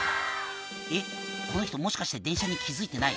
えっこの人もしかして電車に気付いてない？